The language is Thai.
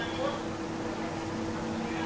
สวัสดีค่ะ